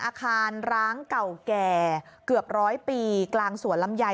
อาคารร้างเก่าแก่เกือบร้อยปีกลางสวนลำไย